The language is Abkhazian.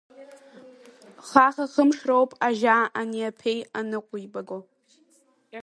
Хаха-хымш роуп ажьа ани аԥеи анныҟәибаго.